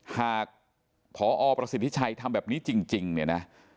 หากพอประสิทธิชัยทำแบบนี้จริงเนี่ยนะ